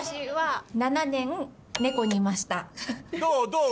どう？